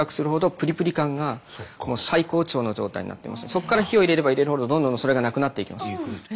そっから火を入れれば入れるほどどんどんそれがなくなっていきます。